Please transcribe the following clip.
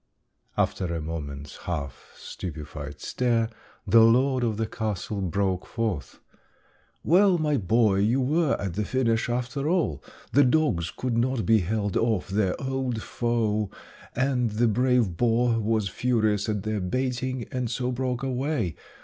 "After a moment's half stupefied stare, the lord of the castle broke forth: "'Well, my boy, you were at the finish after all.' The dogs could not be held off their old foe, and the brave boar was furious at their baiting, and so broke away.